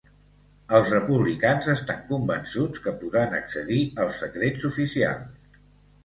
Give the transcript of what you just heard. Els republicans estan convençuts que podran accedir als secrets oficials